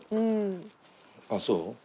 あっそう？